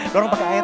dorong pakai air